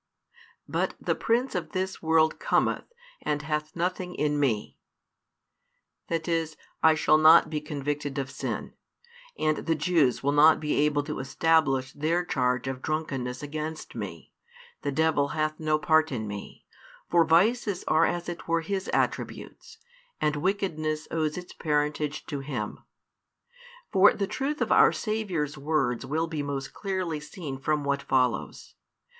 But the prince of this world cometh, and hath nothing in Me; that is, I shall not be convicted of sin, and the Jews will not be able to establish their charge of drunkenness against Me, the devil hath no part in Me, for vices are as it were his attributes, and wickedness |360 owes its parentage to him. For the truth of our Saviour's words will be most clearly seen from what follows.